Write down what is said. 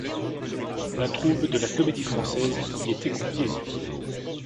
La troupe de la Comédie-Française y était conviée.